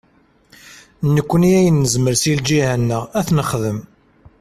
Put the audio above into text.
Nekkni ayen nezmer seg lǧiha-nneɣ ad t-nexdem.